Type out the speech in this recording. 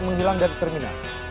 menghilang dari terminal